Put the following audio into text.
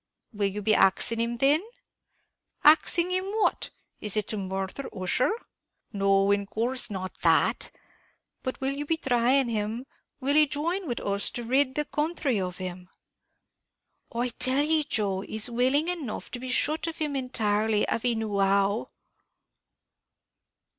"Will you be axing him, thin?" "Axing him what? is it to murther Ussher?" "No, in course not that; but will you be thrying him, will he join wid us to rid the counthry of him?" "I tell ye, Joe, he's willing enough to be shut of him entirely, av he knew how."